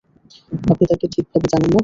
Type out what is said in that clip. আপনি তাকে ঠিকভাবে জানেন না!